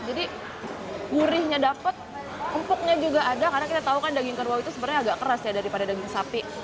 jadi gurihnya dapet empuknya juga ada karena kita tahu kan daging kerbau itu sebenarnya agak keras ya daripada daging sapi